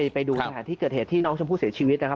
ไปดูสถานที่เกิดเหตุที่น้องชมพู่เสียชีวิตนะครับ